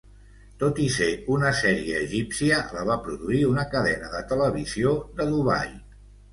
Tot i ser una sèrie egípcia, la va produir una cadena de televisió de Dubai.